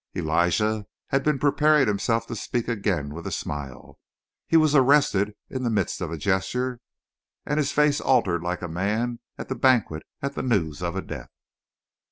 Elijah had been preparing himself to speak again, with a smile. He was arrested in the midst of a gesture and his face altered like a man at the banquet at the news of a death.